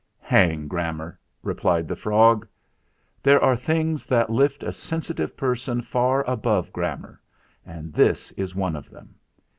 "Hang grammar!" replied the frog. "There are things that lift a sensitive person far above grammar, and this is one of them.